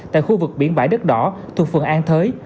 tại khu vực biển bãi đất đỏ thuộc phường an thới